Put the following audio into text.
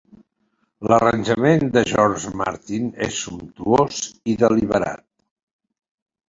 L'arranjament de George Martin és sumptuós i deliberat.